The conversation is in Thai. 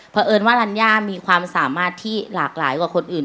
เพราะเอิญว่ารัญญามีความสามารถที่หลากหลายกว่าคนอื่น